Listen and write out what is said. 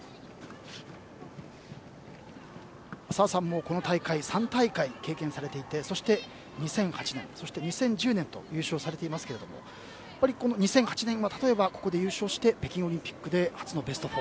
澤さん、この大会は３大会経験されていてそして２００８年、そして２０１０年と優勝されていますが２００８年はここで優勝して北京オリンピックで初のベスト４。